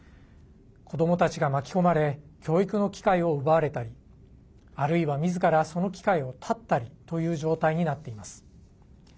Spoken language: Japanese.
子どもたちが巻き込まれ教育の機会を奪われたりあるいは、みずからその機会を絶ったりという状態になっています。